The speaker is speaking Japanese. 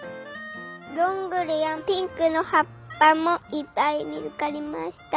どんぐりやピンクのはっぱもいっぱいみつかりました。